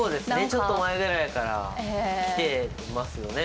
ちょっと前ぐらいからきてますよね。